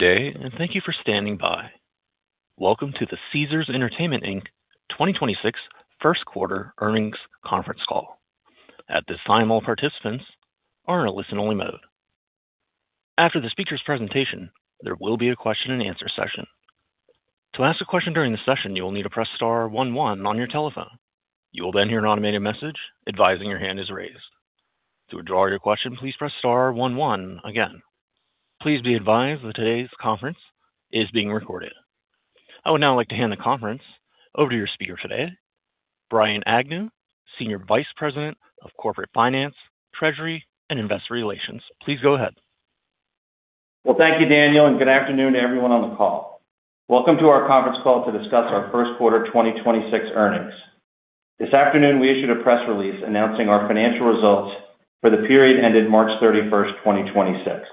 Good day, and thank you for standing by. Welcome to the Caesars Entertainment Inc. twenty twenty-six first quarter earnings conference call. At this time, all participants are in a listen-only mode. After the speaker's presentation, there will be a question-and-answer session. To ask a question during the session, you will need to press star one one on your telephone. You will then hear an automated message advising your hand is raised. To withdraw your question, please press star one one again. Please be advised that today's conference is being recorded. I would now like to hand the conference over to your speaker today, Brian Agnew, Senior Vice President of Corporate Finance, Treasury, and Investor Relations. Please go ahead. Thank you, Daniel, and good afternoon to everyone on the call. Welcome to our conference call to discuss our first quarter 2026 earnings. This afternoon, we issued a press release announcing our financial results for the period ended March 31, 2026.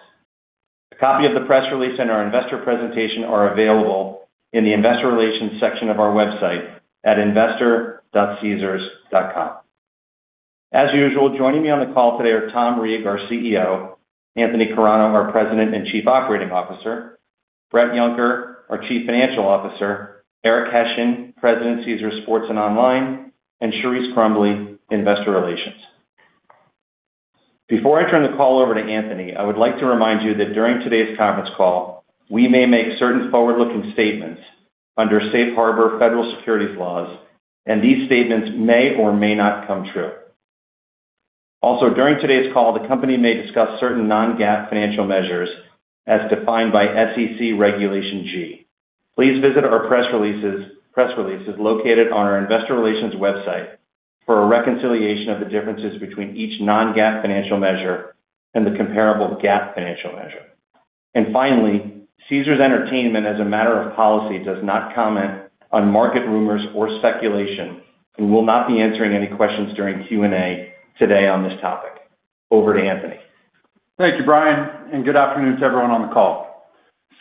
A copy of the press release and our investor presentation are available in the investor relations section of our website at investor.caesars.com. As usual, joining me on the call today are Tom Reeg, our CEO, Anthony Carano, our President and Chief Operating Officer, Bret Yunker, our Chief Financial Officer, Eric Hession, President, Caesars Sports and Online, and Charise Crumbley, Investor Relations. Before I turn the call over to Anthony, I would like to remind you that during today's conference call, we may make certain forward-looking statements under Safe Harbor federal securities laws. These statements may or may not come true. Also, during today's call, the company may discuss certain Non-GAAP financial measures as defined by SEC Regulation G. Please visit our press releases located on our investor relations website for a reconciliation of the differences between each Non-GAAP financial measure and the comparable GAAP financial measure. Finally, Caesars Entertainment, as a matter of policy, does not comment on market rumors or speculation and will not be answering any questions during Q&A today on this topic. Over to Anthony. Thank you, Brian, good afternoon to everyone on the call.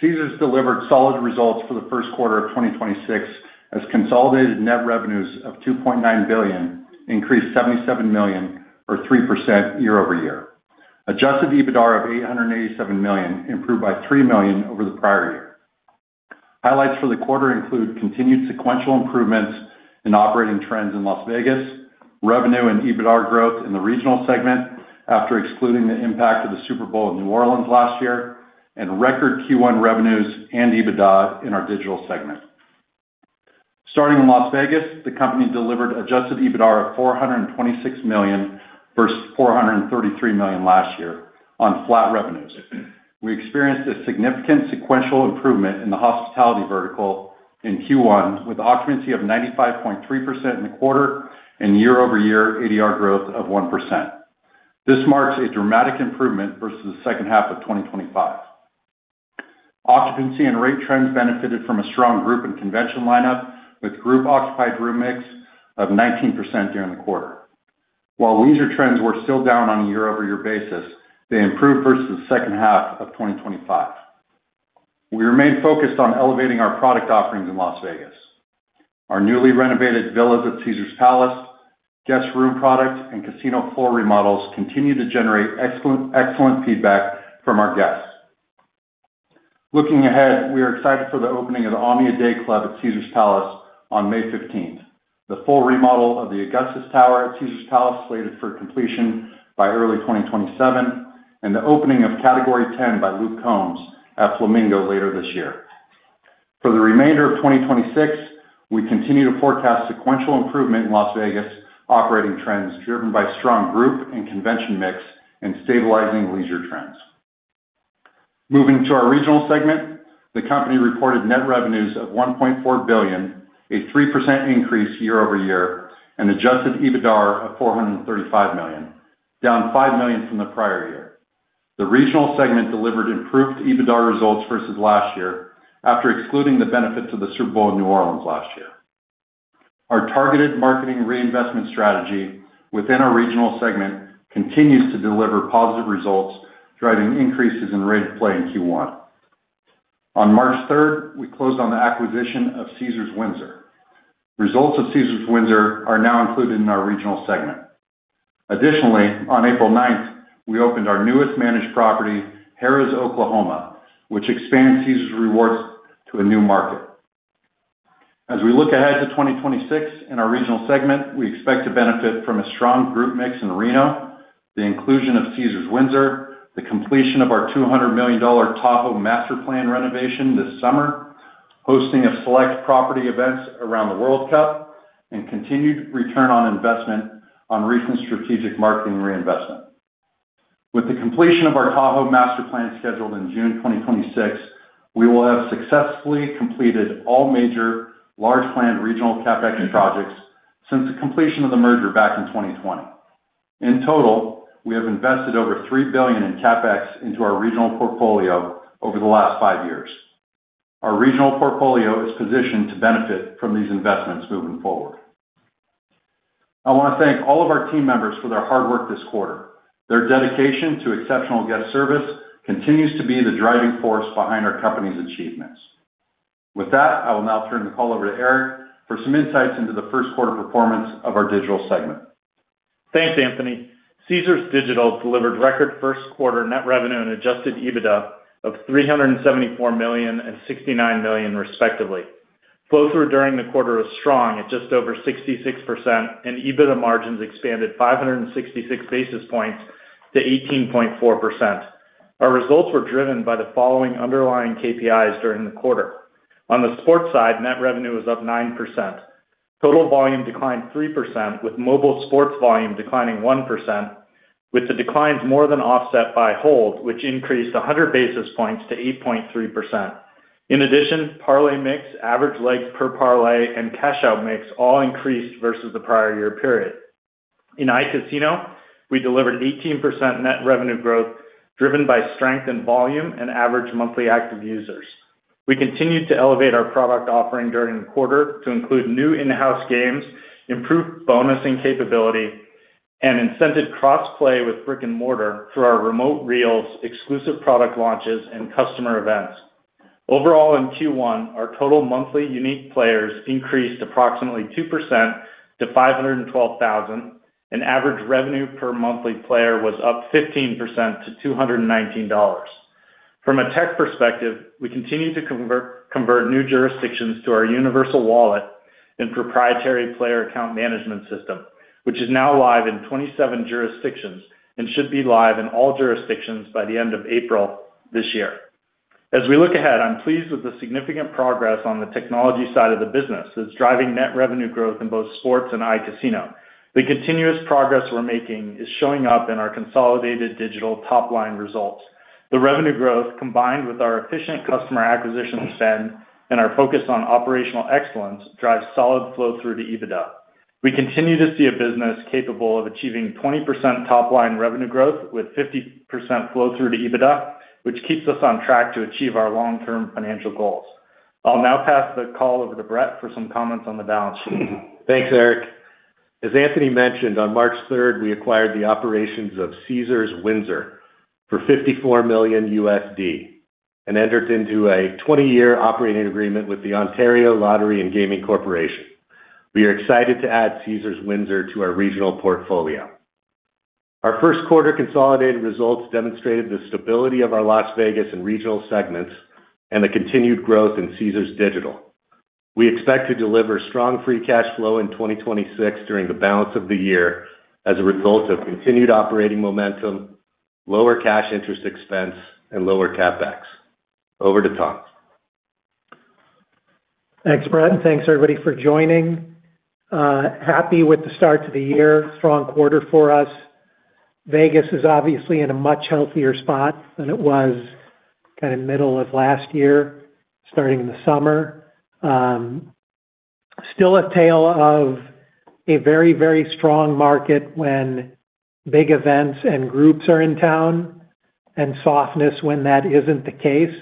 Caesars delivered solid results for the first quarter of 2026 as consolidated net revenues of $2.9 billion increased $77 million or 3% year-over-year. Adjusted EBITDA of $887 million improved by $3 million over the prior year. Highlights for the quarter include continued sequential improvements in operating trends in Las Vegas, revenue and EBITDA growth in the regional segment after excluding the impact of the Super Bowl in New Orleans last year, and record Q1 revenues and EBITDA in our digital segment. Starting in Las Vegas, the company delivered adjusted EBITDA of $426 million versus $433 million last year on flat revenues. We experienced a significant sequential improvement in the hospitality vertical in Q1 with occupancy of 95.3% in the quarter and year-over-year ADR growth of 1%. This marks a dramatic improvement versus the second half of 2025. Occupancy and rate trends benefited from a strong group and convention lineup, with group occupied room mix of 19% during the quarter. While leisure trends were still down on a year-over-year basis, they improved versus the second half of 2025. We remain focused on elevating our product offerings in Las Vegas. Our newly renovated villas at Caesars Palace, guest room product, and casino floor remodels continue to generate excellent feedback from our guests. Looking ahead, we are excited for the opening of OMNIA Dayclub at Caesars Palace on May 15th. The full remodel of the Augustus Tower at Caesars Palace, slated for completion by early 2027, and the opening of Category 10 by Luke Combs at Flamingo later this year. For the remainder of 2026, we continue to forecast sequential improvement in Las Vegas operating trends, driven by strong group and convention mix and stabilizing leisure trends. Moving to our regional segment, the company reported net revenues of $1.4 billion, a 3% increase year-over-year, and adjusted EBITDA of $435 million, down $5 million from the prior year. The regional segment delivered improved EBITDA results versus last year after excluding the benefits of the Super Bowl in New Orleans last year. Our targeted marketing reinvestment strategy within our regional segment continues to deliver positive results, driving increases in rate of play in Q1. On March 3, we closed on the acquisition of Caesars Windsor. Results of Caesars Windsor are now included in our regional segment. Additionally, on April 9, we opened our newest managed property, Harrah's Oklahoma, which expands Caesars Rewards to a new market. As we look ahead to 2026 in our regional segment, we expect to benefit from a strong group mix in Reno, the inclusion of Caesars Windsor, the completion of our $200 million Tahoe master plan renovation this summer, hosting of select property events around the World Cup, and continued return on investment on recent strategic marketing reinvestment. With the completion of our Tahoe master plan scheduled in June 2026, we will have successfully completed all major large planned regional CapEx projects since the completion of the merger back in 2020. In total, we have invested over $3 billion in CapEx into our regional portfolio over the last five years. Our regional portfolio is positioned to benefit from these investments moving forward. I want to thank all of our team members for their hard work this quarter. Their dedication to exceptional guest service continues to be the driving force behind our company's achievements. With that, I will now turn the call over to Eric for some insights into the first quarter performance of our digital segment. Thanks, Anthony. Caesars Digital delivered record first quarter net revenue and adjusted EBITDA of $374 million and $69 million respectively. Flow-through during the quarter was strong at just over 66%, and EBITDA margins expanded 566 basis points to 18.4%. Our results were driven by the following underlying KPIs during the quarter. On the sports side, net revenue was up 9%. Total volume declined 3%, with mobile sports volume declining 1%, with the declines more than offset by hold, which increased 100 basis points to 8.3%. In addition, parlay mix, average legs per parlay, and cash out mix all increased versus the prior year period. In iCasino, we delivered 18% net revenue growth, driven by strength in volume and average monthly active users. We continued to elevate our product offering during the quarter to include new in-house games, improved bonusing capability, and incented cross-play with brick-and-mortar through our Remote Reels, exclusive product launches, and customer events. Overall, in Q1, our total monthly unique players increased approximately 2% to 512,000, and average revenue per monthly player was up 15% to $219. From a tech perspective, we continue to convert new jurisdictions to our universal wallet and proprietary player account management system, which is now live in 27 jurisdictions and should be live in all jurisdictions by the end of April this year. As we look ahead, I'm pleased with the significant progress on the technology side of the business that's driving net revenue growth in both sports and iCasino. The continuous progress we're making is showing up in our consolidated digital top-line results. The revenue growth, combined with our efficient customer acquisition spend and our focus on operational excellence, drives solid flow-through to EBITDA. We continue to see a business capable of achieving 20% top-line revenue growth with 50% flow-through to EBITDA, which keeps us on track to achieve our long-term financial goals. I'll now pass the call over to Bret for some comments on the balance sheet. Thanks, Eric Hession. As Anthony Carano mentioned, on March 3rd, we acquired the operations of Caesars Windsor for $54 million and entered into a 20-year operating agreement with the Ontario Lottery and Gaming Corporation. We are excited to add Caesars Windsor to our regional portfolio. Our first quarter consolidated results demonstrated the stability of our Las Vegas and regional segments and the continued growth in Caesars Digital. We expect to deliver strong free cash flow in 2026 during the balance of the year as a result of continued operating momentum, lower cash interest expense, and lower CapEx. Over to Tom Reeg. Thanks, Bret, and thanks, everybody, for joining. Happy with the start to the year. Strong quarter for us. Vegas is obviously in a much healthier spot than it was kind of middle of last year, starting in the summer. Still a tale of a very, very strong market when big events and groups are in town, and softness when that isn't the case.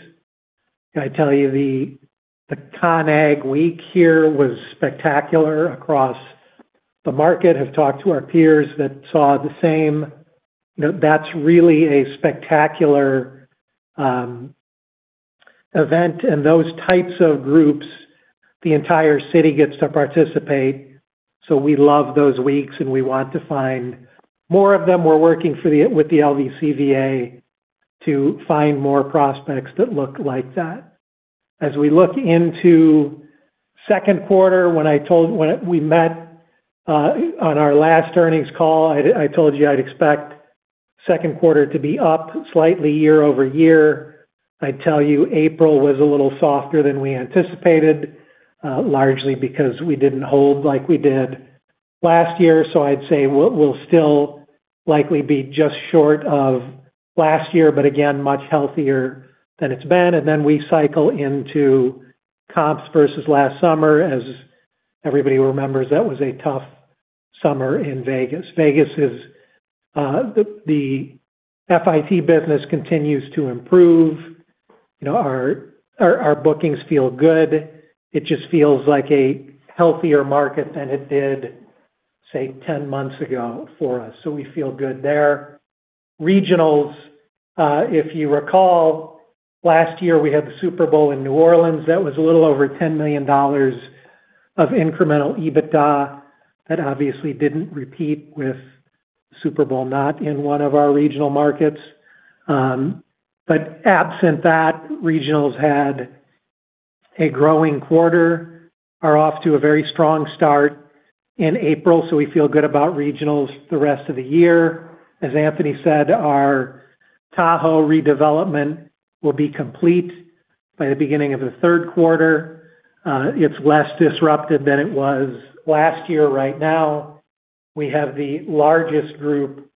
Can I tell you, the CONAG week here was spectacular across the market. Have talked to our peers that saw the same. You know, that's really a spectacular event, and those types of groups, the entire city gets to participate, so we love those weeks, and we want to find more of them. We're working with the LVCVA to find more prospects that look like that. As we look into second quarter, when we met on our last earnings call, I told you I'd expect second quarter to be up slightly year-over-year. I tell you, April was a little softer than we anticipated, largely because we didn't hold like we did last year. I'd say we'll still likely be just short of last year, but again, much healthier than it's been. Then we cycle into comps versus last summer. As everybody remembers, that was a tough summer in Vegas. Vegas is, the FIT business continues to improve. You know, our bookings feel good. It just feels like a healthier market than it did, say, 10 months ago for us, so we feel good there. Regionals, if you recall, last year, we had the Super Bowl in New Orleans. That was a little over $10 million of incremental EBITDA. That obviously didn't repeat with Super Bowl not in one of our regional markets. Absent that, regionals had a growing quarter, are off to a very strong start in April, so we feel good about regionals the rest of the year. As Anthony said, our Tahoe redevelopment will be complete by the beginning of the third quarter. It's less disruptive than it was last year. Right now, we have the largest group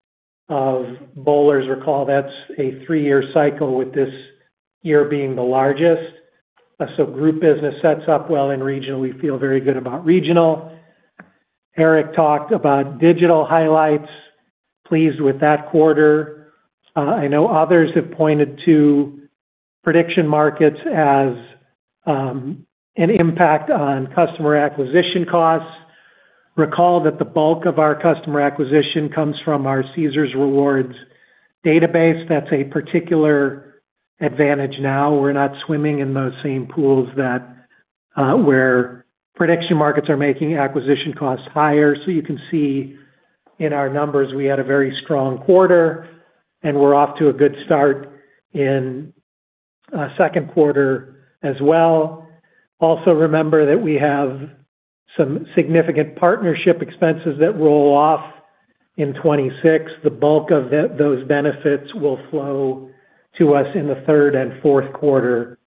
of bowlers. Recall that's a three-year cycle, with this year being the largest. Group business sets up well in regional. We feel very good about regional. Eric talked about digital highlights. Pleased with that quarter. I know others have pointed to prediction markets as an impact on customer acquisition costs. Recall that the bulk of our customer acquisition comes from our Caesars Rewards Database, that's a particular advantage now. We're not swimming in those same pools where prediction markets are making acquisition costs higher. You can see in our numbers we had a very strong quarter, and we're off to a good start in second quarter as well. Remember that we have some significant partnership expenses that roll off in 2026. The bulk of those benefits will flow to us in the third and fourth quarter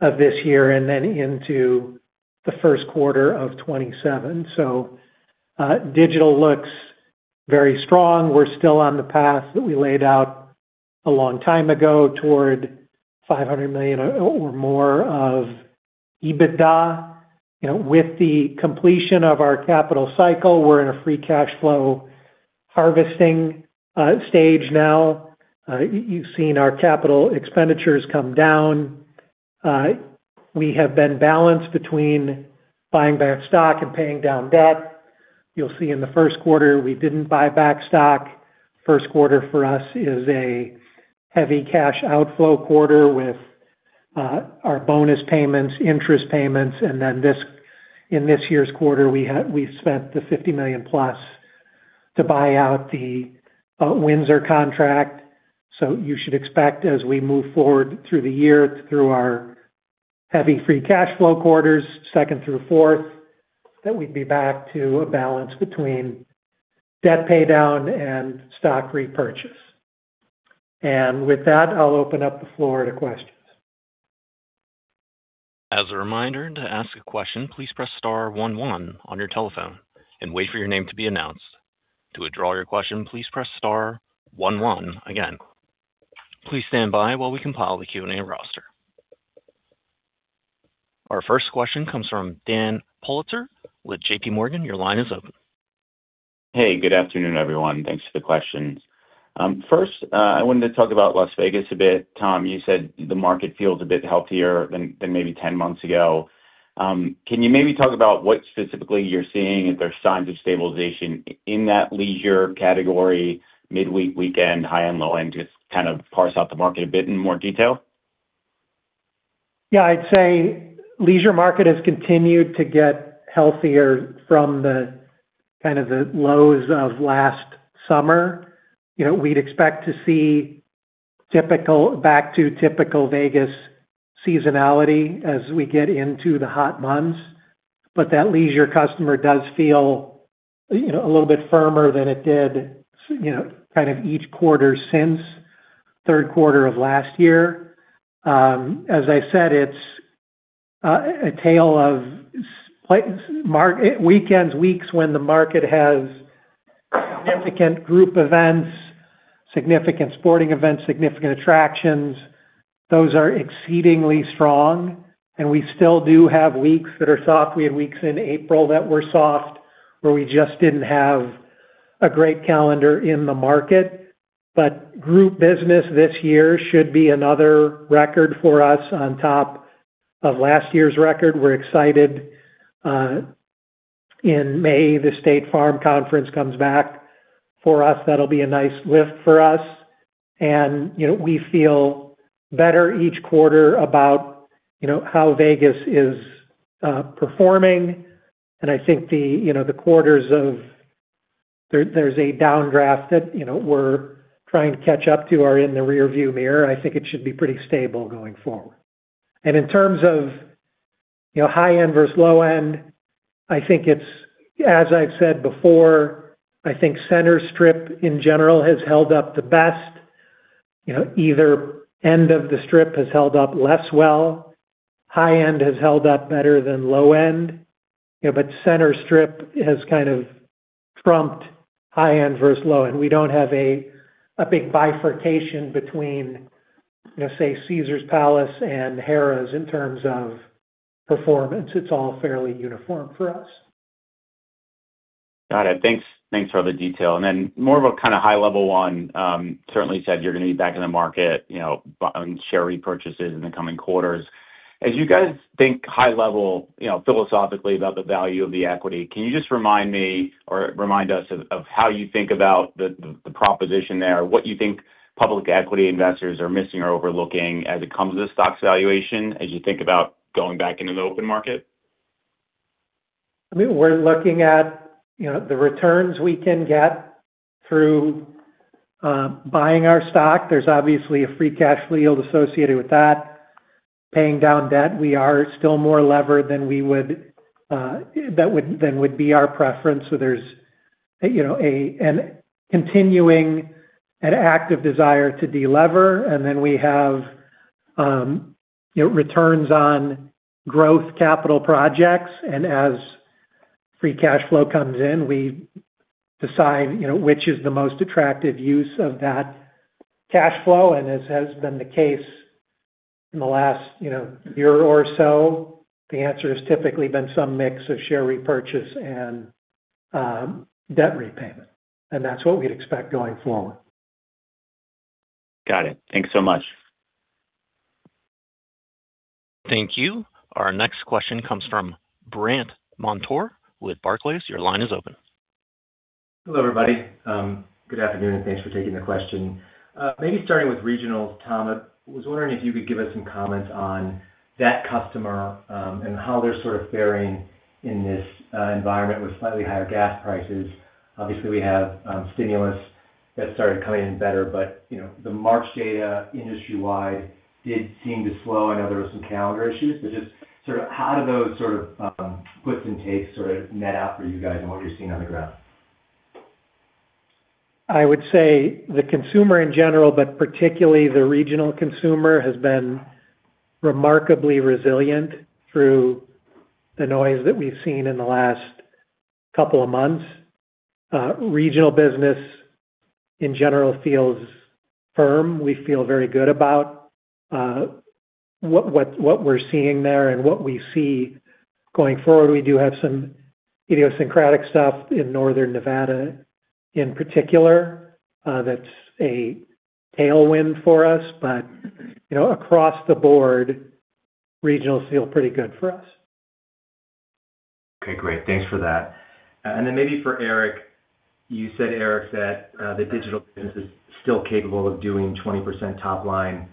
of this year then into the first quarter of 2027. Digital looks very strong. We're still on the path that we laid out a long time ago toward $500 million or more of EBITDA. You know, with the completion of our capital cycle, we're in a free cash flow harvesting stage now. You've seen our capital expenditures come down. We have been balanced between buying back stock and paying down debt. You'll see in the first quarter we didn't buy back stock. First quarter for us is a heavy cash outflow quarter with our bonus payments, interest payments, and in this year's quarter, we spent the $50 million plus to buy out the Windsor contract. You should expect as we move forward through the year, through our heavy free cash flow quarters, second through fourth, that we'd be back to a balance between debt pay down and stock repurchase. With that, I'll open up the floor to questions. As a reminder if you want to ask a question please press *one one on your telephone and wait for your name to be announced to withdraw your question please press * one one again, please stand by while we compile our Q&A roster. Our first question comes from Dan Politzer with JP Morgan. Your line is open. Hey, good afternoon, everyone. Thanks for the questions. First, I wanted to talk about Las Vegas a bit. Tom, you said the market feels a bit healthier than maybe 10 months ago. Can you maybe talk about what specifically you're seeing? If there are signs of stabilization in that leisure category, midweek, weekend, high-end, low-end? Just kind of parse out the market a bit in more detail. I'd say leisure market has continued to get healthier from the kind of the lows of last summer. You know, we'd expect to see back to typical Vegas seasonality as we get into the hot months. That leisure customer does feel, you know, a little bit firmer than it did, you know, kind of each quarter since third quarter of last year. As I said, it's a tale of weekends, weeks when the market has significant group events, significant sporting events, significant attractions. Those are exceedingly strong, we still do have weeks that are soft. We had weeks in April that were soft, where we just didn't have a great calendar in the market. Group business this year should be another record for us on top of last year's record. We're excited, in May, the State Farm conference comes back. For us, that'll be a nice lift for us. You know, we feel better each quarter about, you know, how Vegas is performing. I think, you know, there's a downdraft that, you know, we're trying to catch up to or in the rear view mirror. I think it should be pretty stable going forward. In terms of, you know, high end versus low end, I think it's as I've said before, I think center strip in general has held up the best. You know, either end of the strip has held up less well. High end has held up better than low end. You know, center strip has kind of trumped high end versus low end. We don't have a big bifurcation between, you know, say, Caesars Palace and Harrah's in terms of performance. It's all fairly uniform for us. Got it. Thanks, thanks for all the detail. More of a kind of high-level one. Certainly you said you're going to be back in the market, you know, on share repurchases in the coming quarters. As you guys think high level, you know, philosophically about the value of the equity, can you just remind me or remind us of how you think about the proposition there? What you think public equity investors are missing or overlooking as it comes to stock valuation, as you think about going back into the open market? I mean, we're looking at, you know, the returns we can get through buying our stock. There's obviously a free cash yield associated with that. Paying down debt. We are still more levered than would be our preference. There's, you know, a continuing and active desire to delever. We have, you know, returns on growth capital projects. As free cash flow comes in, we decide, you know, which is the most attractive use of that cash flow. As has been the case in the last, you know, year or so, the answer has typically been some mix of share repurchase and debt repayment. That's what we'd expect going forward. Got it. Thanks so much. Thank you. Our next question comes from Brandt Montour with Barclays. Your line is open. Hello, everybody. Good afternoon, and thanks for taking the question. Maybe starting with regional, Tom, I was wondering if you could give us some comments on that customer and how they're sort of faring in this environment with slightly higher gas prices. Obviously, we have stimulus that started coming in better, but you know, the March data industry-wide did seem to slow. I know there were some calendar issues, but just sort of how do those sort of gives and takes sort of net out for you guys and what you're seeing on the ground? I would say the consumer in general, but particularly the regional consumer, has been remarkably resilient through the noise that we've seen in the last couple of months. Regional business in general feels firm. We feel very good about what we're seeing there and what we see going forward. We do have some idiosyncratic stuff in Northern Nevada in particular that's a tailwind for us. You know, across the board, regionals feel pretty good for us. Okay. Great. Thanks for that. Then maybe for Eric, you said, Eric, that the digital business is still capable of doing 20% top line.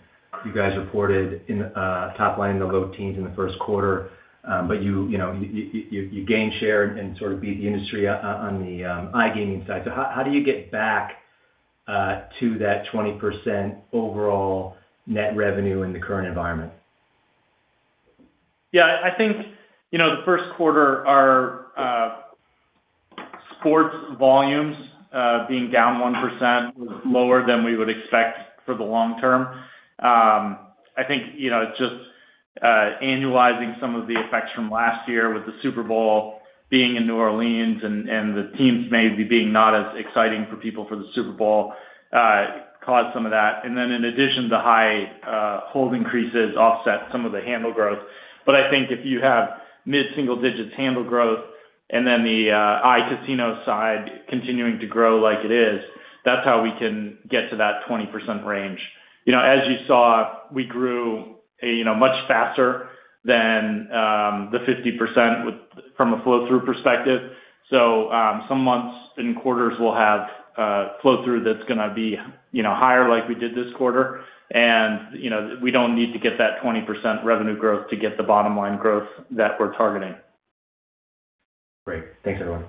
You guys reported in top line in the low teens in the first quarter, but you know, you gain share and sort of beat the industry on the iGaming side. How do you get back to that 20% overall net revenue in the current environment? Yeah, I think, you know, the first quarter, our sports volumes, being down 1% was lower than we would expect for the long term. I think, you know, just annualizing some of the effects from last year with the Super Bowl being in New Orleans and the teams maybe being not as exciting for people for the Super Bowl, caused some of that. In addition, the high hold increases offset some of the handle growth. I think if you have mid-single digits handle growth and then the iCasino side continuing to grow like it is, that's how we can get to that 20% range. You know, as you saw, we grew a, you know, much faster than the 50% from a flow-through perspective. Some months and quarters will have flow-through that's gonna be, you know, higher like we did this quarter. You know, we don't need to get that 20% revenue growth to get the bottom line growth that we're targeting. Great. Thanks, everyone.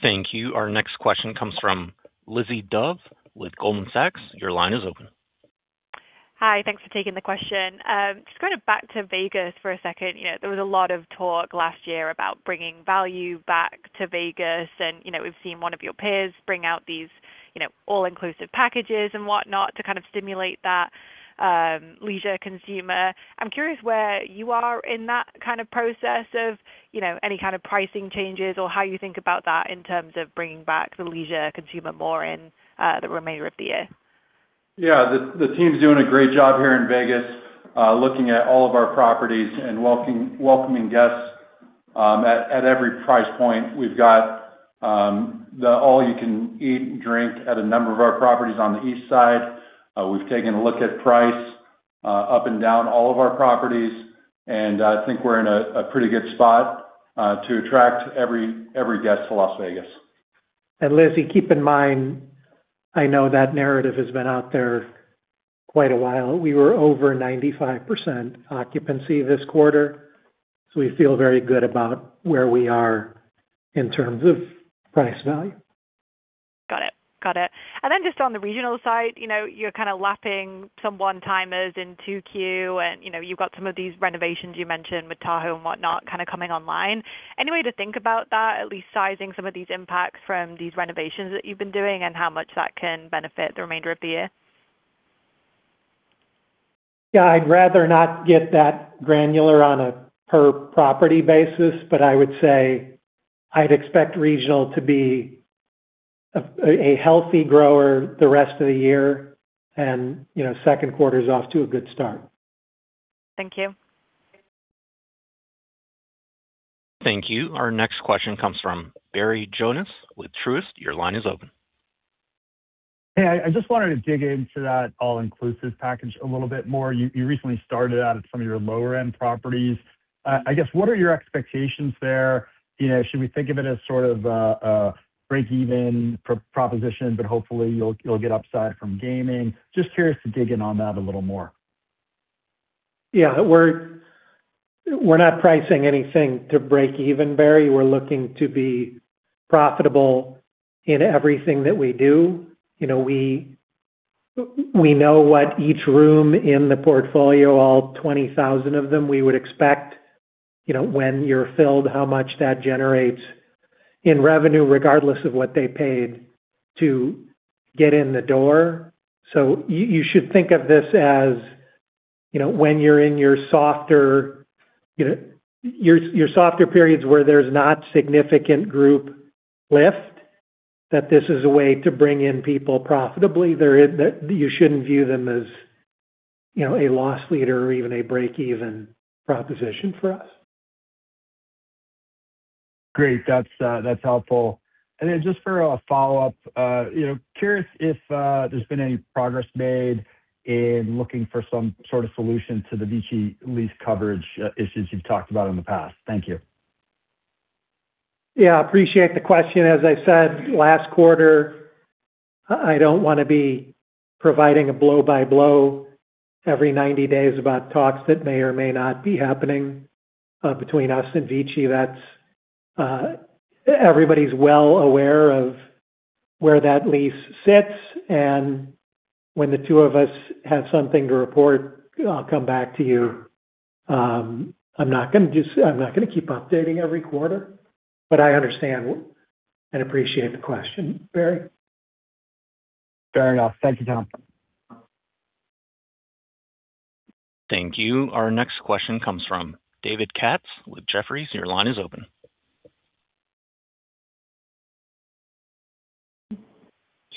Thank you. Our next question comes from Lizzie Dove with Goldman Sachs. Your line is open. Hi. Thanks for taking the question. Just kind of back to Vegas for a second. You know, there was a lot of talk last year about bringing value back to Vegas and, you know, we've seen one of your peers bring out these, you know, all-inclusive packages and whatnot to kind of stimulate that leisure consumer. I'm curious where you are in that kind of process of, you know, any kind of pricing changes or how you think about that in terms of bringing back the leisure consumer more in the remainder of the year. The team's doing a great job here in Vegas, looking at all of our properties and welcoming guests at every price point. We've got the all you can eat and drink at a number of our properties on the east side. We've taken a look at price up and down all of our properties, and I think we're in a pretty good spot to attract every guest to Las Vegas. Lizzie, keep in mind, I know that narrative has been out there quite a while. We were over 95% occupancy this quarter, so we feel very good about where we are in terms of price value. Got it. Got it. Just on the regional side, you know, you're kinda lapping some one-timers in two Q, and, you know, you've got some of these renovations you mentioned with Tahoe and whatnot kinda coming online. Any way to think about that, at least sizing some of these impacts from these renovations that you've been doing and how much that can benefit the remainder of the year? Yeah. I'd rather not get that granular on a per property basis, but I would say I'd expect regional to be a healthy grower the rest of the year and, you know, second quarter is off to a good start. Thank you. Thank you. Our next question comes from Barry Jonas with Truist. Your line is open. I just wanted to dig into that all-inclusive package a little bit more. You recently started out at some of your lower-end properties. I guess, what are your expectations there? You know, should we think of it as sort of a break-even proposition, but hopefully you'll get upside from gaming? Just curious to dig in on that a little more. Yeah. We're not pricing anything to break even, Barry. We're looking to be profitable in everything that we do. You know, we know what each room in the portfolio, all 20,000 of them, we would expect, you know, when you're filled, how much that generates in revenue, regardless of what they paid to get in the door. You should think of this as, you know, when you're in your softer, you know, your softer periods where there's not significant group lift, that this is a way to bring in people profitably that you shouldn't view them as, you know, a loss leader or even a break-even proposition for us. Great. That's helpful. Just for a follow-up, you know, curious if there's been any progress made in looking for some sort of solution to the VICI lease coverage issues you've talked about in the past. Thank you. Yeah, appreciate the question. As I said last quarter, I don't wanna be providing a blow-by-blow every 90 days about talks that may or may not be happening between us and VICI. Everybody's well aware of where that lease sits. When the two of us have something to report, I'll come back to you. I'm not gonna keep updating every quarter. I understand and appreciate the question, Barry. Fair enough. Thank you, Tom. Thank you. Our next question comes from David Katz with Jefferies. Your line is open.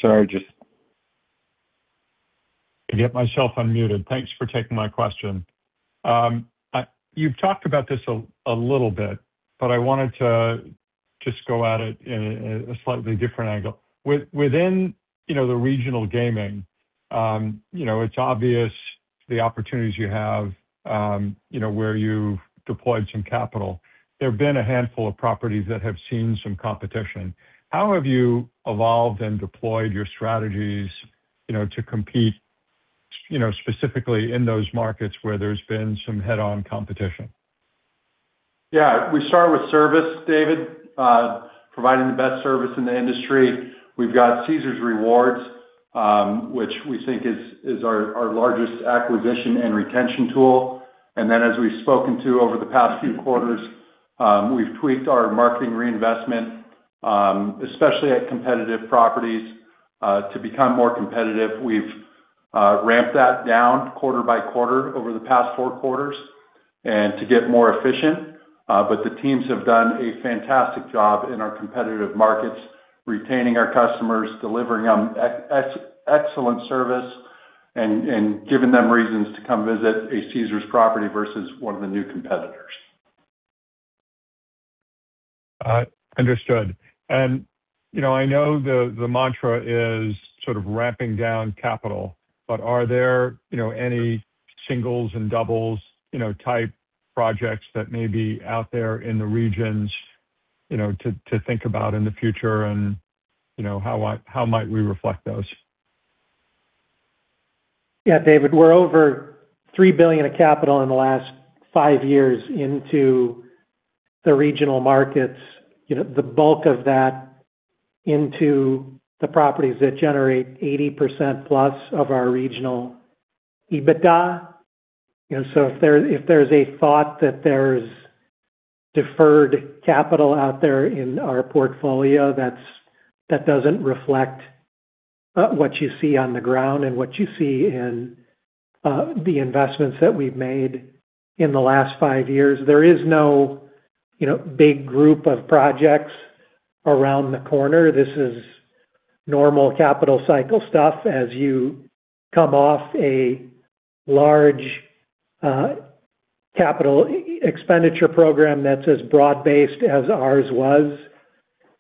Sorry, just get myself unmuted. Thanks for taking my question. You've talked about this a little bit, but I wanted to just go at it in a slightly different angle. Within, you know, the regional gaming, you know, it's obvious the opportunities you have, you know, where you've deployed some capital. There have been a handful of properties that have seen some competition. How have you evolved and deployed your strategies, you know, to compete, you know, specifically in those markets where there's been some head-on competition? We start with service, David, providing the best service in the industry. We've got Caesars Rewards, which we think is our largest acquisition and retention tool. As we've spoken to over the past few quarters, we've tweaked our marketing reinvestment, especially at competitive properties, to become more competitive. We've ramped that down quarter by quarter over the past four quarters and to get more efficient. The teams have done a fantastic job in our competitive markets, retaining our customers, delivering them excellent service and giving them reasons to come visit a Caesars property versus one of the new competitors. Understood. You know, I know the mantra is sort of ramping down CapEx, but are there, you know, any singles and doubles, you know, type projects that may be out there in the regions, you know, to think about in the future and, you know, how might we reflect those? Yeah, David, we're over $3 billion of capital in the last five years into the regional markets. You know, the bulk of that into the properties that generate 80%+ of our regional EBITDA. You know, if there, if there's a thought that there's deferred capital out there in our portfolio, that's, that doesn't reflect what you see on the ground and what you see in the investments that we've made in the last five years. There is no, you know, big group of projects around the corner. This is normal capital cycle stuff. As you come off a large capital expenditure program that's as broad-based as ours was,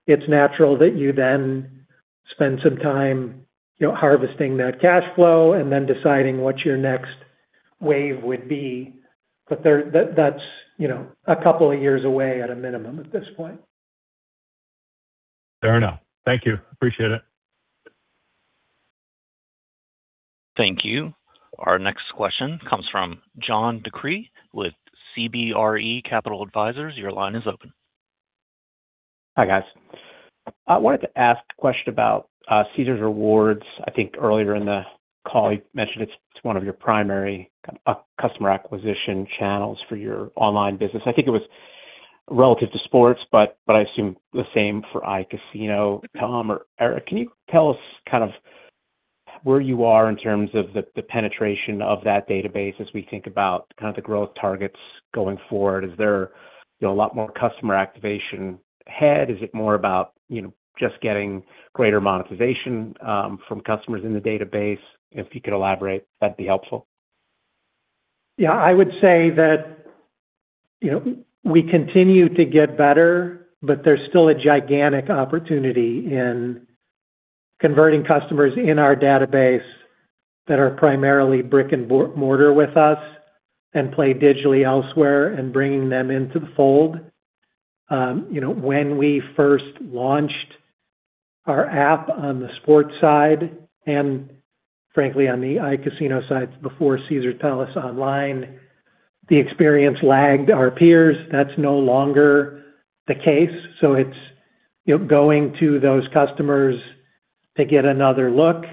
it's natural that you then spend some time, you know, harvesting that cash flow and then deciding what your next wave would be. That's, you know, a couple of years away at a minimum at this point. Fair enough. Thank you. Appreciate it. Thank you. Our next question comes from John DeCree with CBRE Capital Advisors. Your line is open. Hi, guys. I wanted to ask a question about Caesars Rewards. I think earlier in the call, you mentioned it's one of your primary customer acquisition channels for your online business. I think it was relative to sports, but I assume the same for iCasino. Tom or Eric, can you tell us kind of where you are in terms of the penetration of that database as we think about kind of the growth targets going forward? Is there, you know, a lot more customer activation ahead? Is it more about, you know, just getting greater monetization from customers in the database? If you could elaborate, that'd be helpful. Yeah. I would say that, you know, we continue to get better, there's still a gigantic opportunity in converting customers in our database that are primarily brick and mortar with us and play digitally elsewhere and bringing them into the fold. You know, when we first launched our app on the sports side and frankly on the iCasino side before Caesars Palace Online, the experience lagged our peers. That's no longer the case. It's, you know, going to those customers to get another look.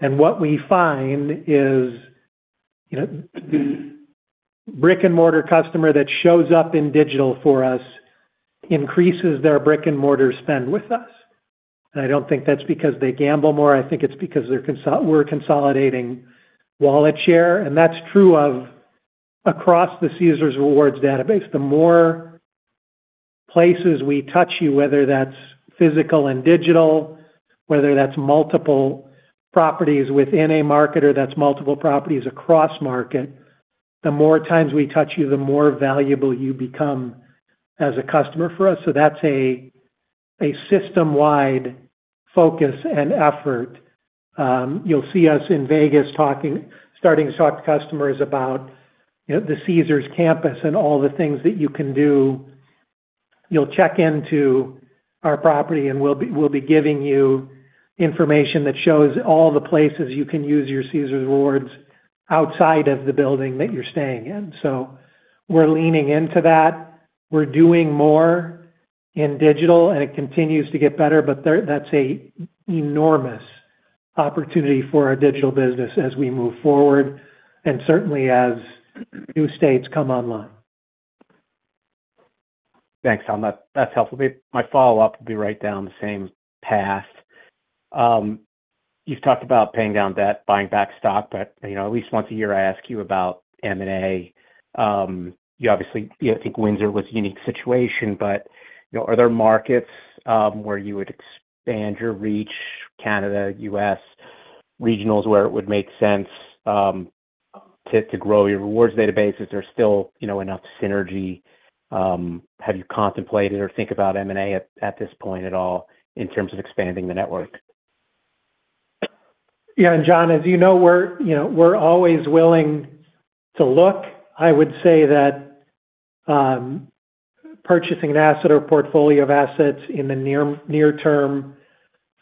What we find is, you know, brick and mortar customer that shows up in digital for us increases their brick and mortar spend with us. I don't think that's because they gamble more. I think it's because they're consolidating wallet share, and that's true of across the Caesars Rewards database. The more places we touch you, whether that's physical and digital. Whether that's multiple properties within a market or that's multiple properties across markets. The more times we touch you, the more valuable you become as a customer for us. That's a system-wide focus and effort. You'll see us in Vegas starting to talk to customers about, you know, the Caesars campus and all the things that you can do. You'll check into our property, and we'll be giving you information that shows all the places you can use your Caesars Rewards outside of the building that you're staying in. We're leaning into that. We're doing more in digital, and it continues to get better, that's an enormous opportunity for our digital business as we move forward and certainly as new states come online. Thanks, Tom. That's helpful. My follow-up will be right down the same path. You've talked about paying down debt, buying back stock, but, you know, at least once a year, I ask you about M&A. You obviously, you know, I think Caesars Windsor was a unique situation, but, you know, are there markets where you would expand your reach, Canada, U.S., regionals, where it would make sense to grow your Caesars Rewards databases? Are there still, you know, enough synergy? Have you contemplated or think about M&A at this point at all in terms of expanding the network? John, as you know, we're, you know, we're always willing to look. I would say that purchasing an asset or portfolio of assets in the near term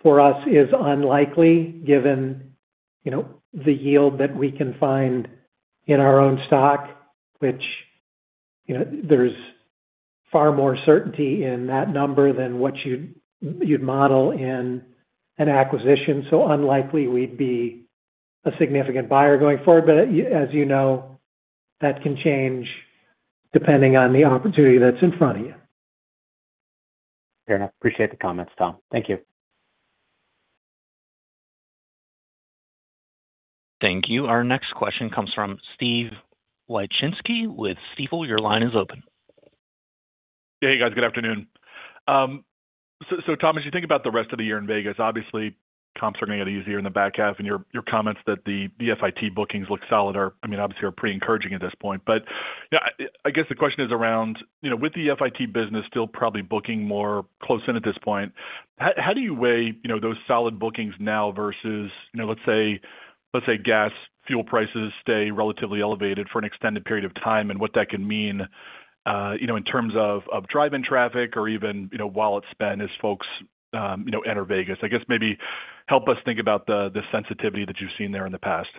for us is unlikely given, you know, the yield that we can find in our own stock, which, you know, there's far more certainty in that number than what you'd model in an acquisition. Unlikely we'd be a significant buyer going forward. As you know, that can change depending on the opportunity that's in front of you. Fair enough. Appreciate the comments, Tom. Thank you. Thank you. Our next question comes from Steven Wieczynski with Stifel. Your line is open. Hey, guys. Good afternoon. Tom, you think about the rest of the year in Vegas. Obviously, comps are going to get easier in the back half, and your comments that the FIT bookings look solid are, I mean, obviously are pretty encouraging at this point. I guess the question is around, you know, with the FIT business still probably booking more close in at this point, how do you weigh, you know, those solid bookings now versus, you know, let's say gas, fuel prices stay relatively elevated for an extended period of time and what that can mean, you know, in terms of drive-in traffic or even, you know, wallet spend as folks, you know, enter Vegas? I guess maybe help us think about the sensitivity that you've seen there in the past.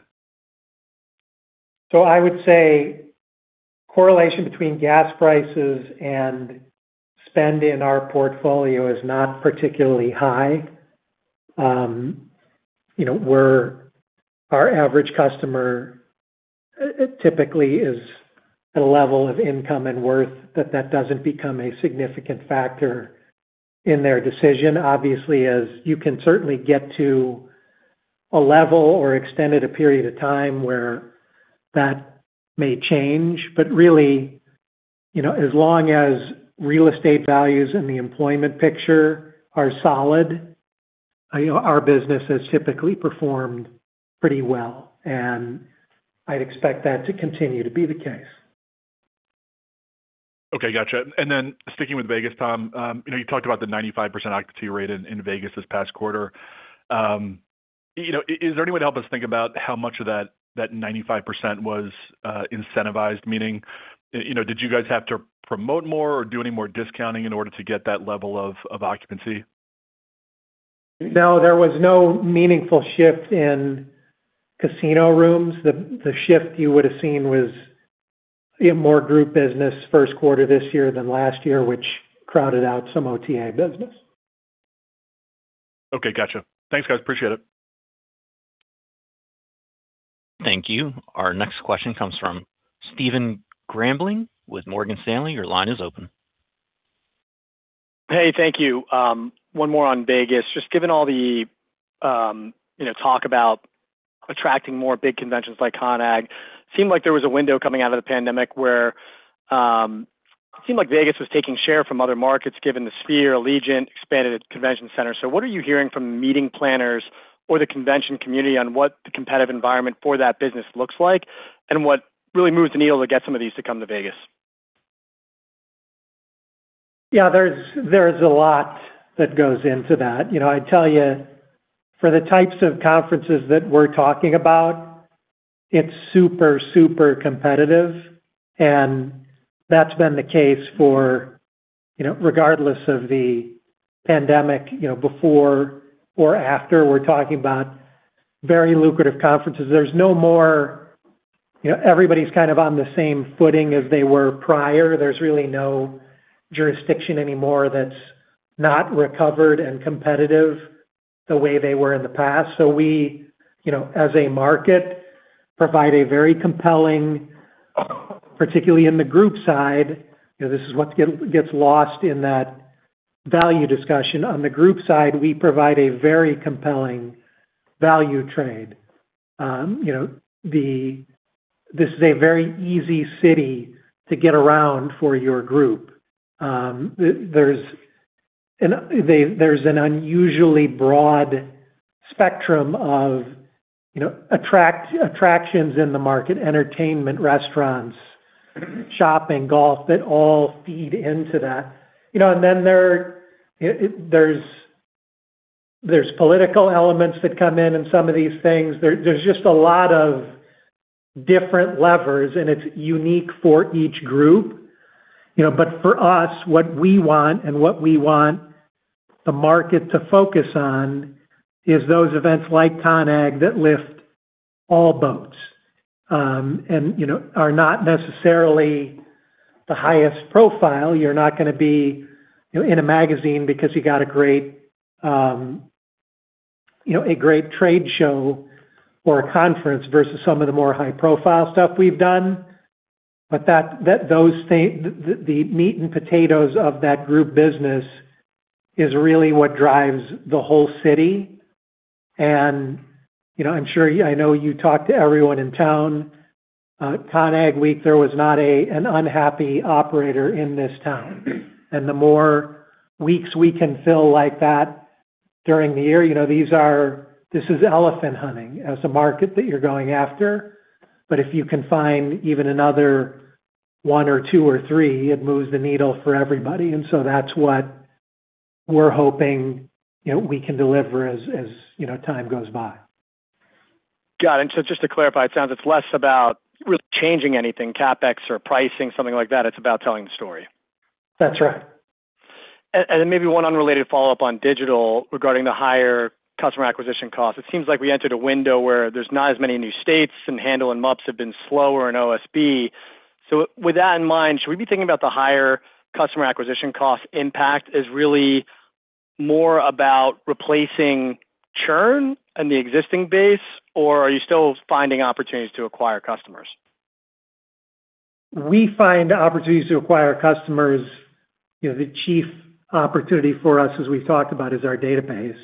I would say correlation between gas prices and spend in our portfolio is not particularly high. you know, our average customer typically is a level of income and worth that doesn't become a significant factor in their decision. Obviously, as you can certainly get to a level or extended a period of time where that may change. really, you know, as long as real estate values and the employment picture are solid, you know, our business has typically performed pretty well, and I'd expect that to continue to be the case. Okay. Gotcha. Sticking with Vegas, Tom, you know, you talked about the 95% occupancy rate in Vegas this past quarter. You know, is there any way to help us think about how much of that 95% was incentivized? Meaning, you know, did you guys have to promote more or do any more discounting in order to get that level of occupancy? No, there was no meaningful shift in casino rooms. The shift you would have seen was more group business first quarter this year than last year, which crowded out some OTA business. Okay. Gotcha. Thanks, guys. Appreciate it. Thank you. Our next question comes from Stephen Grambling with Morgan Stanley. Your line is open. Hey, thank you. One more on Vegas. Just given all the, you know, talk about attracting more big conventions like CONEXPO-CON/AGG, seemed like there was a window coming out of the pandemic where, seemed like Vegas was taking share from other markets given The Sphere, Allegiant expanded its convention center. What are you hearing from meeting planners or the convention community on what the competitive environment for that business looks like, and what really moves the needle to get some of these to come to Vegas? Yeah, there's a lot that goes into that. You know, I tell you, for the types of conferences that we're talking about, it's super competitive, and that's been the case for, you know, regardless of the pandemic, you know, before or after. We're talking about very lucrative conferences. You know, everybody's kind of on the same footing as they were prior. There's really no jurisdiction anymore that's not recovered and competitive the way they were in the past. We, you know, as a market, provide a very compelling, particularly in the group side, you know, this is what gets lost in that value discussion. On the group side, we provide a very compelling value trade. You know, this is a very easy city to get around for your group. There's an unusually broad spectrum of, you know, attractions in the market, entertainment, restaurants, shopping, golf, that all feed into that. You know, then there, it, there's political elements that come in in some of these things. There's just a lot of different levers, and it's unique for each group, you know. For us, what we want and what we want the market to focus on is those events like CONAG that lift all boats. You know, are not necessarily the highest profile. You're not gonna be, you know, in a magazine because you got a great, you know, a great trade show or a conference versus some of the more high-profile stuff we've done. Those things, the meat and potatoes of that group business is really what drives the whole city. You know, I'm sure I know you talk to everyone in town. CONEXPO-CON/AGG Week, there was not an unhappy operator in this town. The more weeks we can fill like that during the year, you know, these this is elephant hunting as a market that you're going after. If you can find even another one or two or three, it moves the needle for everybody. That's what we're hoping, you know, we can deliver as, you know, time goes by. Got it. Just to clarify, it sounds it's less about really changing anything, CapEx or pricing, something like that. It's about telling the story. That's right. Then maybe one unrelated follow-up on digital regarding the higher customer acquisition costs. It seems like we entered a window where there's not as many new states, and handle and MUPs have been slower in OSB. With that in mind, should we be thinking about the higher customer acquisition cost impact as really more about replacing churn in the existing base, or are you still finding opportunities to acquire customers? We find opportunities to acquire customers, you know, the chief opportunity for us, as we've talked about, is our database.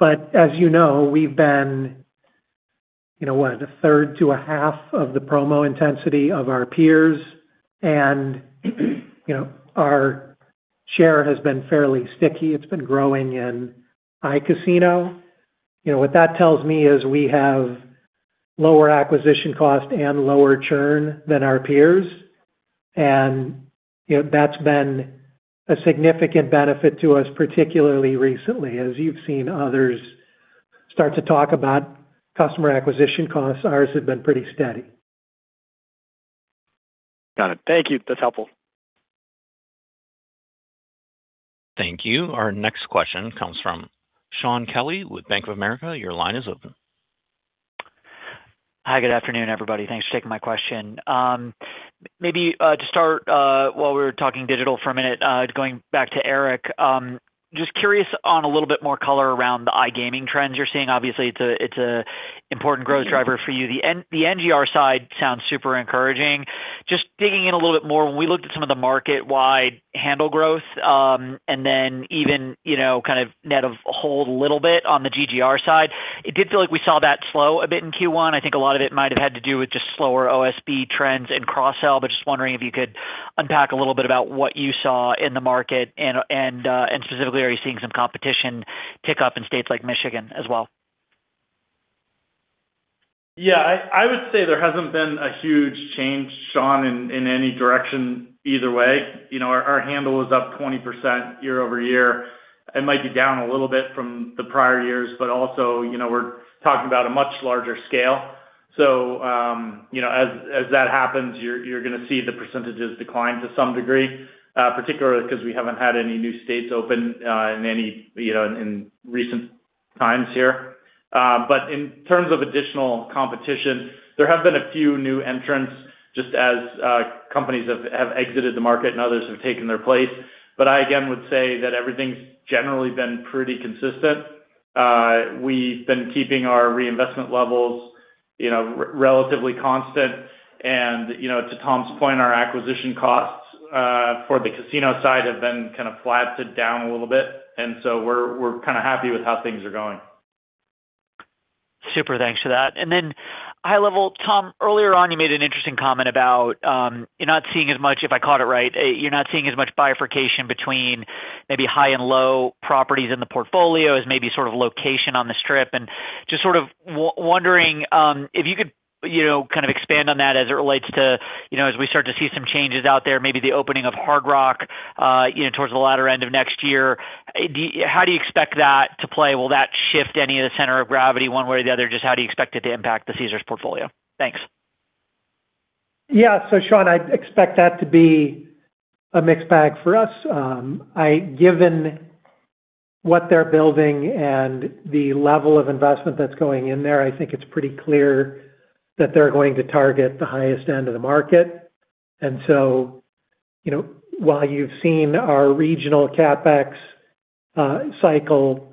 As you know, we've been, you know what? A third to a half of the promo intensity of our peers. You know, our share has been fairly sticky. It's been growing in iCasino. You know, what that tells me is we have lower acquisition cost and lower churn than our peers. You know, that's been a significant benefit to us, particularly recently. As you've seen others start to talk about customer acquisition costs, ours have been pretty steady. Got it. Thank you. That's helpful. Thank you. Our next question comes from Shaun Kelley with Bank of America. Your line is open. Hi, good afternoon, everybody. Thanks for taking my question. Maybe to start, while we were talking digital for a minute, going back to Eric. Just curious on a little bit more color around the iGaming trends you're seeing. Obviously, it's a important growth driver for you. The NGR side sounds super encouraging. Just digging in a little bit more, when we looked at some of the market-wide handle growth, and then even, you know, kind of net of hold a little bit on the GGR side, it did feel like we saw that slow a bit in Q1. I think a lot of it might have had to do with just slower OSB trends and cross-sell. Just wondering if you could unpack a little bit about what you saw in the market and specifically, are you seeing some competition pick up in states like Michigan as well? I would say there hasn't been a huge change, Shaun, in any direction either way. You know, our handle is up 20% year-over-year. It might be down a little bit from the prior years, also, you know, we're talking about a much larger scale. You know, as that happens, you're gonna see the percentages decline to some degree, particularly 'cause we haven't had any new states open in any, you know, in recent times here. In terms of additional competition, there have been a few new entrants just as companies have exited the market and others have taken their place. I again would say that everything's generally been pretty consistent. We've been keeping our reinvestment levels, you know, relatively constant. You know, to Tom's point, our acquisition costs for the casino side have been kind of flat to down a little bit, so we're kind of happy with how things are going. Super. Thanks for that. High level, Tom Reeg, earlier on, you made an interesting comment about, you're not seeing as much, if I caught it right, you're not seeing as much bifurcation between maybe high and low properties in the portfolio as maybe sort of location on the strip. Just sort of wondering, if you could, you know, kind of expand on that as it relates to, you know, as we start to see some changes out there, maybe the opening of Hard Rock, you know, towards the latter end of next year. How do you expect that to play? Will that shift any of the center of gravity one way or the other? Just how do you expect it to impact the Caesars portfolio? Thanks. Shaun, I expect that to be a mixed bag for us. Given what they're building and the level of investment that's going in there, I think it's pretty clear that they're going to target the highest end of the market. You know, while you've seen our regional CapEx cycle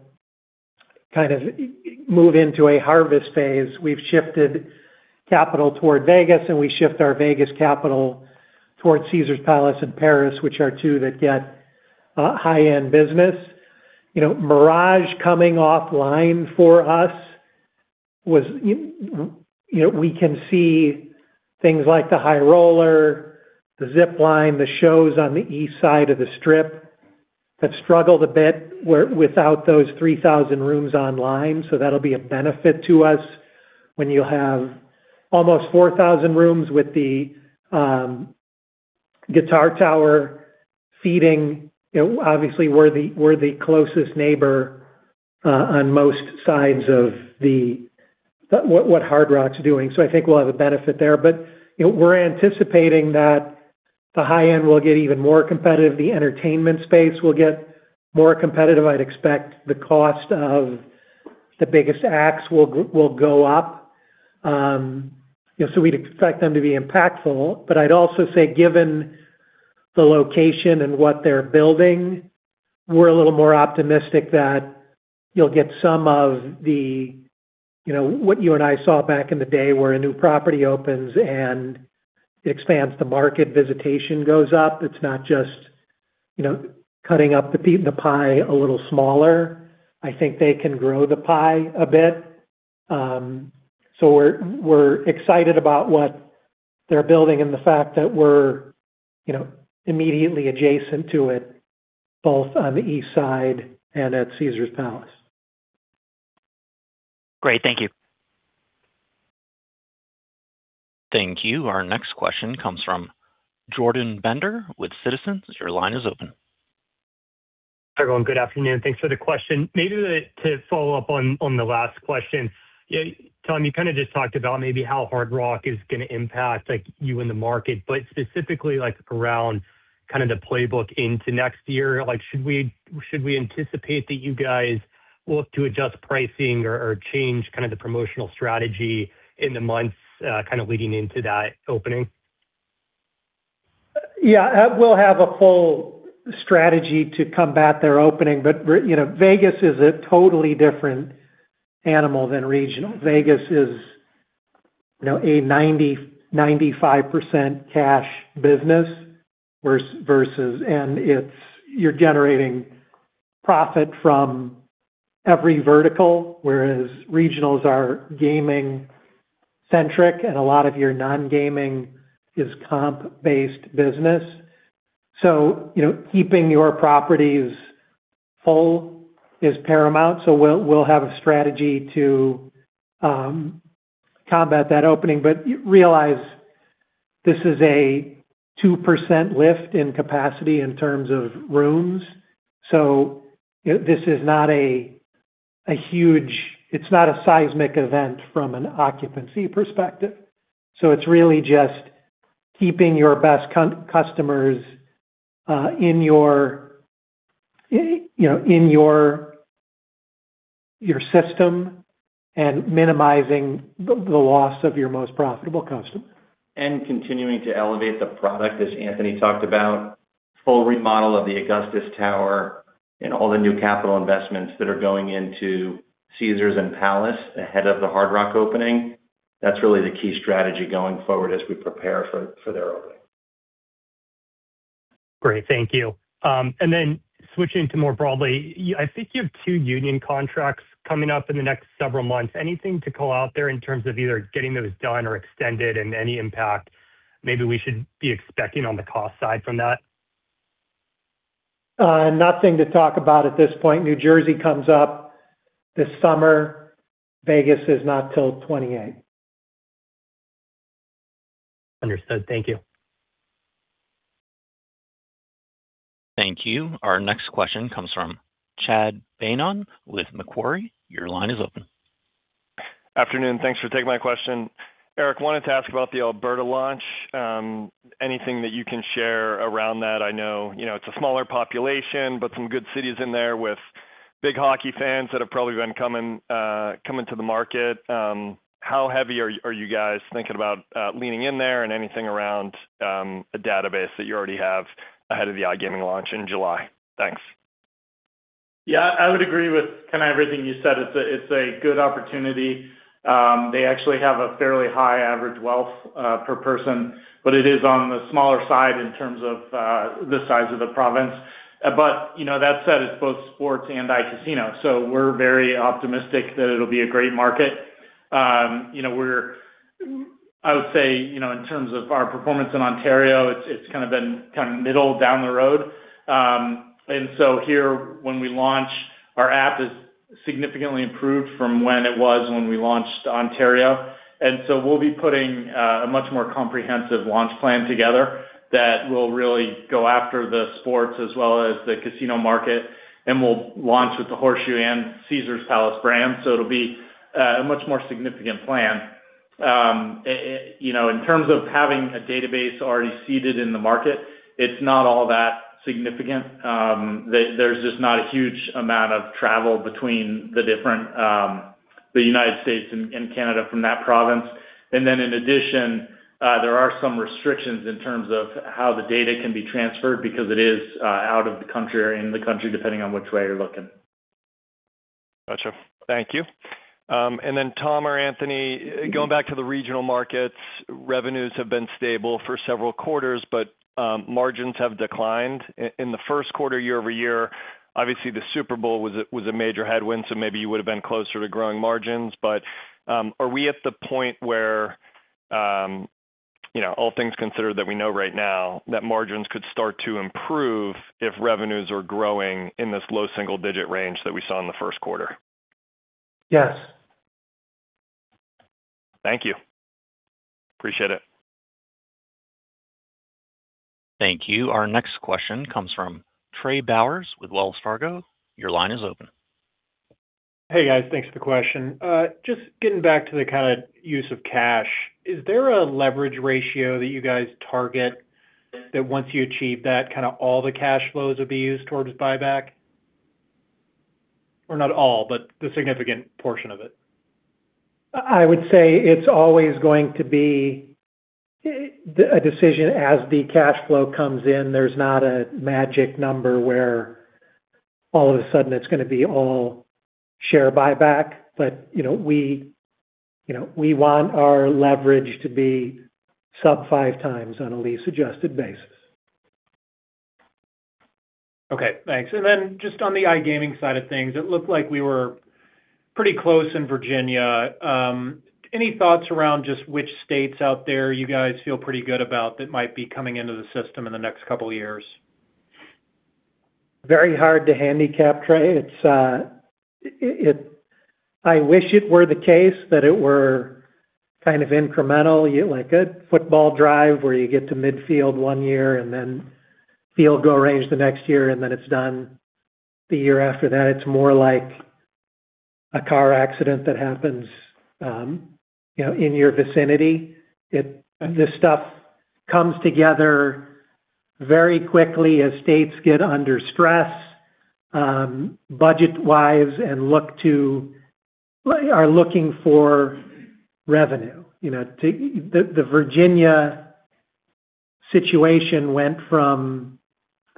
kind of move into a harvest phase, we've shifted capital toward Vegas, and we shift our Vegas capital towards Caesars Palace and Paris, which are two that get high-end business. You know, Mirage coming offline for us was, you know, we can see things like the High Roller, the zip line, the shows on the east side of the Strip have struggled a bit without those 3,000 rooms online. That'll be a benefit to us when you have almost 4,000 rooms with the Guitar Tower feeding. You know, obviously, we're the closest neighbor on most sides of what Hard Rock's doing. I think we'll have a benefit there. You know, we're anticipating that the high end will get even more competitive. The entertainment space will get more competitive. I'd expect the cost of the biggest acts will go up. You know, we'd expect them to be impactful. I'd also say given the location and what they're building, we're a little more optimistic that you'll get some of the, you know, what you and I saw back in the day, where a new property opens and expands the market, visitation goes up. It's not just, you know, cutting up the pie a little smaller. I think they can grow the pie a bit. We're excited about what they're building and the fact that we're, you know, immediately adjacent to it, both on the east side and at Caesars Palace. Great. Thank you. Thank you. Our next question comes from Jordan Bender with Citizens. Your line is open. Hi, everyone. Good afternoon. Thanks for the question. Maybe to follow up on the last question. Tom, you kind of just talked about maybe how Hard Rock is going to impact, like, you in the market, but specifically, like, around kind of the playbook into next year. Like, should we anticipate that you guys will have to adjust pricing or change kind of the promotional strategy in the months kind of leading into that opening? We'll have a full strategy to combat their opening. You know, Vegas is a totally different animal than regional. Vegas is, you know, a 90%-95% cash business versus you're generating profit from every vertical, whereas regionals are gaming centric, and a lot of your non-gaming is comp-based business. You know, keeping your properties full is paramount. We'll have a strategy to combat that opening. Realize this is a 2% lift in capacity in terms of rooms. This is not a seismic event from an occupancy perspective. It's really just keeping your best customers, you know, in your system and minimizing the loss of your most profitable customers. Continuing to elevate the product, as Anthony Carano talked about. Full remodel of the Augustus Tower and all the new capital investments that are going into Caesars Palace ahead of the Hard Rock opening. That's really the key strategy going forward as we prepare for their opening. Great. Thank you. Then switching to more broadly, I think you have two union contracts coming up in the next several months. Anything to call out there in terms of either getting those done or extended and any impact maybe we should be expecting on the cost side from that? Nothing to talk about at this point. New Jersey comes up this summer. Vegas is not till 2028. Understood. Thank you. Thank you. Our next question comes from Chad Beynon with Macquarie. Your line is open. Afternoon. Thanks for taking my question. Eric, wanted to ask about the Alberta launch. Anything that you can share around that? I know, you know, it's a smaller population, but some good cities in there with big hockey fans that have probably been coming to the market. How heavy are you guys thinking about leaning in there and anything around a database that you already have ahead of the iGaming launch in July? Thanks. Yeah. I would agree with kind of everything you said. It's a good opportunity. They actually have a fairly high average wealth per person, but it is on the smaller side in terms of the size of the province. You know, that said, it's both sports and iCasino, so we're very optimistic that it'll be a great market. You know, I would say, you know, in terms of our performance in Ontario, it's kind of been middle down the road. Here when we launch, our app is significantly improved from when it was when we launched Ontario. We'll be putting a much more comprehensive launch plan together that will really go after the sports as well as the casino market, and we'll launch with the Horseshoe and Caesars Palace brand. It'll be a much more significant plan. You know, in terms of having a database already seeded in the market, it's not all that significant. There's just not a huge amount of travel between the different, the U.S. and Canada from that province. In addition, there are some restrictions in terms of how the data can be transferred because it is out of the country or in the country, depending on which way you're looking. Gotcha. Thank you. Then Tom or Anthony, going back to the regional markets, revenues have been stable for several quarters. Margins have declined in the first quarter year-over-year. Obviously, the Super Bowl was a, was a major headwind, so maybe you would've been closer to growing margins. Are we at the point where, you know, all things considered that we know right now that margins could start to improve if revenues are growing in this low single-digit range that we saw in the first quarter? Yes. Thank you. Appreciate it. Thank you. Our next question comes from Trey Bowers with Wells Fargo. Your line is open. Hey, guys. Thanks for the question. Just getting back to the kind of use of cash, is there a leverage ratio that you guys target that once you achieve that, kind of all the cash flows will be used towards buyback, or not all, but the significant portion of it? I would say it's always going to be a decision as the cashflow comes in. There's not a magic number where all of a sudden it's gonna be all share buyback. You know, we want our leverage to be sub five times on a lease-adjusted basis. Okay, thanks. Just on the iGaming side of things, it looked like we were pretty close in Virginia. Any thoughts around just which states out there you guys feel pretty good about that might be coming into the system in the next 2 years? Very hard to handicap, Trey. It's I wish it were the case that it were kind of incremental, like a football drive where you get to midfield one year and then field goal range the next year, and then it's done the year after that. It's more like a car accident that happens, you know, in your vicinity. This stuff comes together very quickly as states get under stress, budget-wise and are looking for revenue. You know, the Virginia situation went from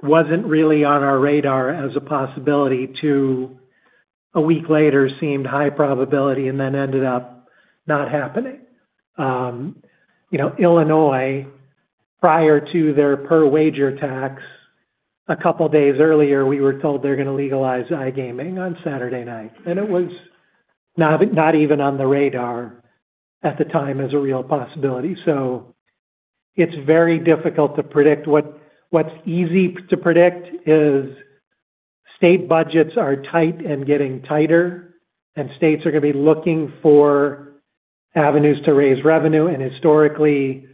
wasn't really on our radar as a possibility to a week later seemed high probability and then ended up not happening. You know, Illinois, prior to their per wager tax a couple days earlier, we were told they're gonna legalize iGaming on Saturday night, it was not even on the radar at the time as a real possibility. It's very difficult to predict. What's easy to predict is state budgets are tight and getting tighter, states are gonna be looking for avenues to raise revenue. Historically,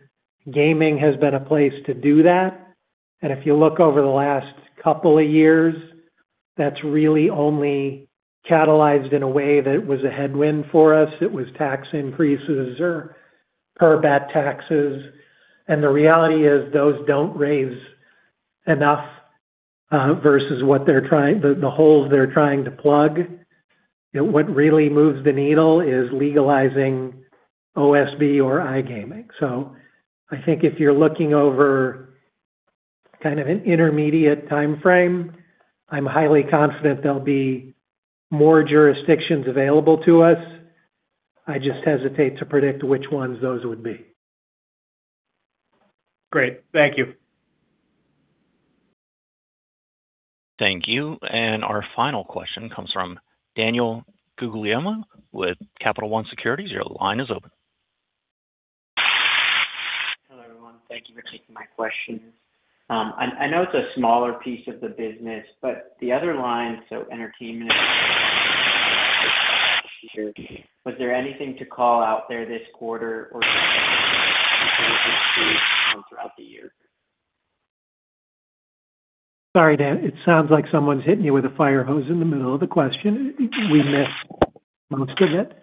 gaming has been a place to do that. If you look over the last couple of years, that's really only catalyzed in a way that was a headwind for us. It was tax increases or per bet taxes. The reality is those don't raise enough versus the holes they're trying to plug. What really moves the needle is legalizing OSB or iGaming. I think if you're looking over kind of an intermediate timeframe, I'm highly confident there'll be more jurisdictions available to us. I just hesitate to predict which ones those would be. Great. Thank you. Thank you. Our final question comes from Daniel Guglielmo with Capital One Securities. Your line is open. Hello, everyone. Thank you for taking my question. I know it's a smaller piece of the business, but the other line, so entertainment, was there anything to call out there this quarter or throughout the year? Sorry, Dan, it sounds like someone's hitting you with a fire hose in the middle of the question. We missed most of it.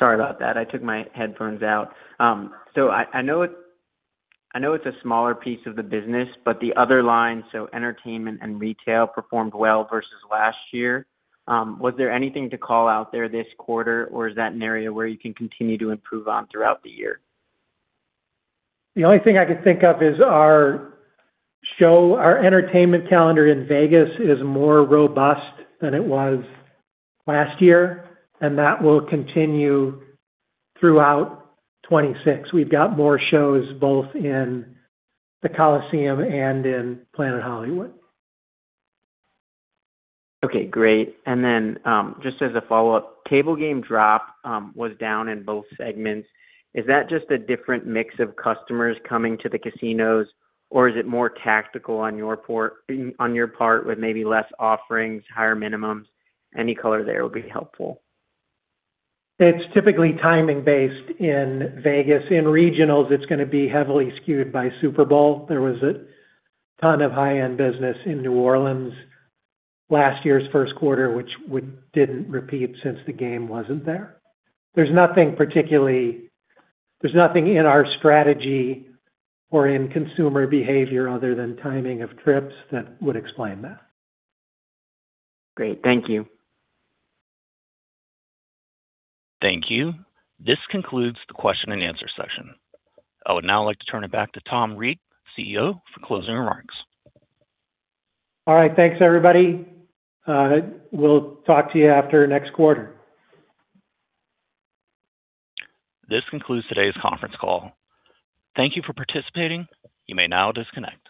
Sorry about that. I took my headphones out. I know it's a smaller piece of the business, the other line, so entertainment and retail performed well versus last year. Was there anything to call out there this quarter, or is that an area where you can continue to improve on throughout the year? The only thing I can think of is our show. Our entertainment calendar in Vegas is more robust than it was last year, and that will continue throughout 2026. We've got more shows both in The Colosseum and in Planet Hollywood. Okay, great. Just as a follow-up, table game drop was down in both segments. Is that just a different mix of customers coming to the casinos, or is it more tactical on your part with maybe less offerings, higher minimums? Any color there would be helpful. It's typically timing based in Vegas. In regionals, it's gonna be heavily skewed by Super Bowl. There was a ton of high-end business in New Orleans last year's first quarter, which didn't repeat since the game wasn't there. There's nothing in our strategy or in consumer behavior other than timing of trips that would explain that. Great. Thank you. Thank you. This concludes the question and answer session. I would now like to turn it back to Tom Reeg, CEO, for closing remarks. All right. Thanks, everybody. We'll talk to you after next quarter. This concludes today's conference call. Thank you for participating. You may now disconnect.